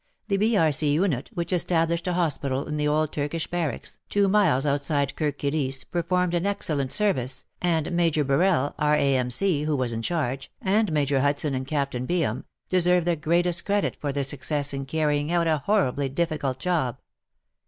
The B.R.C. unit, which established 176 WAR AND WOMEN ij*) a hospital In the old Turkish Barracks, two miles outside Kirk Kilisse, performed an ex cellent service, and Major Birrell, R. A.M. C, who was in charge, and Major Hudson and Captain Byam, deserve the greatest credit for their success in carrying out a horribly difficult job.